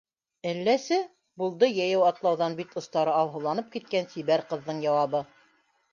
Әлләсе... - булды йәйәү атлауҙан бит остары алһыуланып киткән сибәр ҡыҙҙың яуабы.